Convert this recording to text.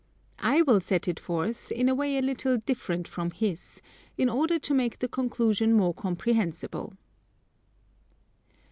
I will set it forth, in a way a little different from his, in order to make the conclusion more comprehensible.